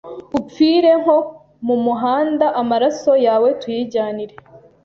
upfire nko mu muhanda amaraso yawe tuyijyanire